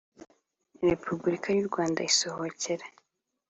Repubulika y u Rwanda isohokera